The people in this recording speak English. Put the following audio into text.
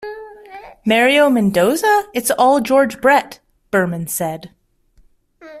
"Mario Mendoza?-it's all George Brett," Berman said.